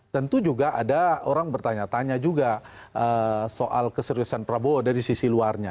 tentu juga ada orang bertanya tanya juga soal keseriusan prabowo dari sisi luarnya